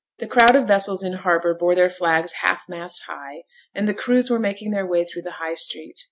The crowd of vessels in harbour bore their flags half mast high; and the crews were making their way through the High Street.